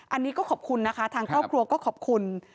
อันนี้ก็ขอบคุณนะคะทางครอบครัวก็ขอบคุณ